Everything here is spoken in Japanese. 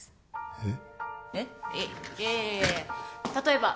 えっ？